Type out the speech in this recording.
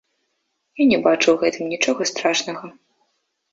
Я не бачу ў гэтым нічога страшнага.